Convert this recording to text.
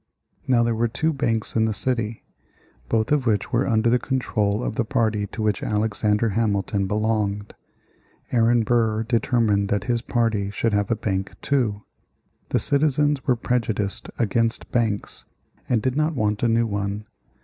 Now there were two banks in the city, both of which were under the control of the party to which Alexander Hamilton belonged. Aaron Burr determined that his party should have a bank, too. The citizens were prejudiced against banks, and did not want a new one.